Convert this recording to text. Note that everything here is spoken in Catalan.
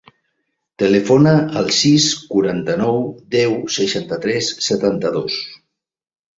Telefona al sis, quaranta-nou, deu, seixanta-tres, setanta-dos.